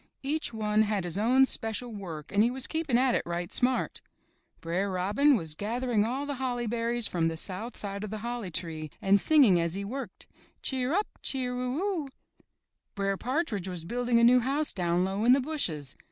Each one had his own special work and he was keeping at it right smart. Br'er Robin was gathering all the holly berries from the south side of the holly tree and singing as he worked: ''Cheer up, cheer u u!'' Br'er Partridge was building a new house down low in the bushes.